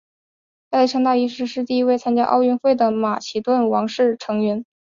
亚历山大一世是第一位参加奥运会的马其顿王室成员。